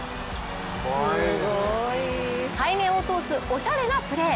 背面を通すおしゃれなプレー。